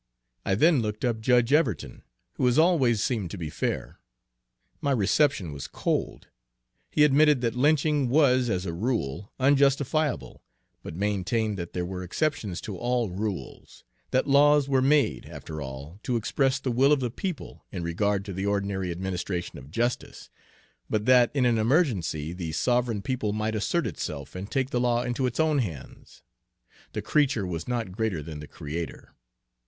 I then looked up Judge Everton, who has always seemed to be fair. My reception was cold. He admitted that lynching was, as a rule, unjustifiable, but maintained that there were exceptions to all rules, that laws were made, after all, to express the will of the people in regard to the ordinary administration of justice, but that in an emergency the sovereign people might assert itself and take the law into its own hands, the creature was not greater than the creator.